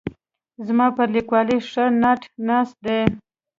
زما پر لیکوالۍ ښه ناټ ناست دی.